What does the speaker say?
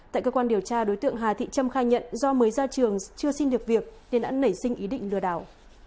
tại cơ quan điều tra đối tượng hà thị trâm khai nhận do mới ra trường chưa xin được việc nên đã nảy sinh ý định lừa đảo